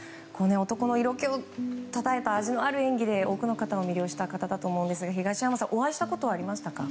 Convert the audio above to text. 男の色気をたたえた味のある演技で多くの方を魅了した１人だと思いますが東山さん、お会いしたことはありましたか？